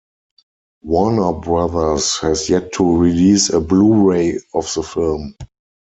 Warner Brothers has yet to release a Blu-ray of the film.